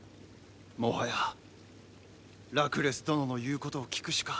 もはやラクレス殿の言うことを聞くしか。